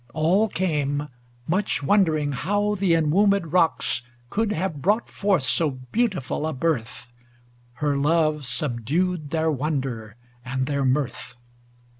All came, much wondering how the en womb^d rocks Could have brought forth so beautiful a birth ; Her love subdued their wonder and their mirth.